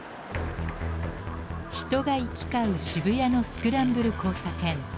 人が行き交う渋谷のスクランブル交差点。